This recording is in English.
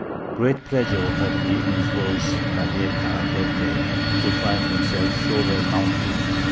Great pleasure had he in his horse Bavieca that day, to find himself so well mounted.